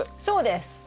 そうです！